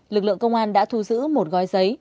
lực lượng công an đã thu giữ một gói giấy